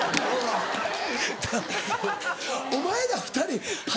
お前ら２人話